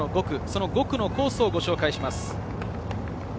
その５区のコースをご紹介します。